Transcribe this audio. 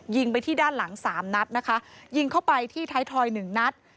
ยิงไปที่ด้านหลังสามนัดนะคะยิงเข้าไปที่ท้ายทอยหนึ่งนัด